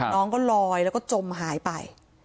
น้องก็ลอยแล้วก็จมหายไป